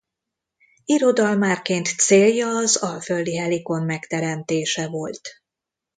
Irodalmárként célja az Alföldi Helikon megteremtése volt.